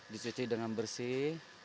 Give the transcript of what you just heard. dicuci dengan bersih